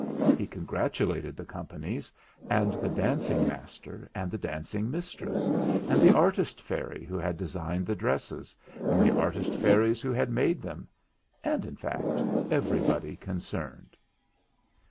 He con gratulated the companies, and the dancing 138 THE FLINT HEART master and the dancing mistress, and the artist fairy who had designed the dresses, and the artist fairies who had made them, and, in fact, everybody concerned.